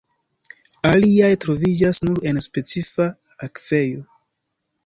Aliaj troviĝas nur en specifa akvejo.